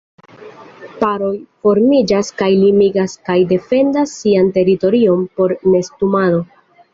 Paroj formiĝas kaj limigas kaj defendas sian teritorion por nestumado.